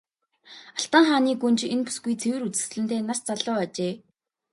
Алтан хааны гүнж энэ бүсгүй цэвэр үзэсгэлэнтэй нас залуу ажээ.